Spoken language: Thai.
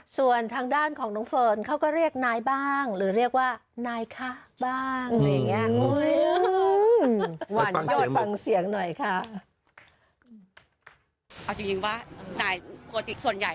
ส่วนทางด้านของน้องเฟิร์นเขาก็เรียกนายบ้างหรือเรียกว่านายคะบ้างอะไรอย่างนี้